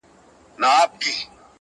کلونه کیږي د ځنګله پر څنډه؛